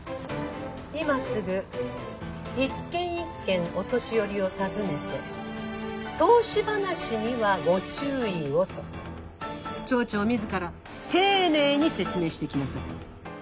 今すぐ一軒一軒お年寄りを訪ねて投資話にはご注意をと町長自ら丁寧に説明してきなさい。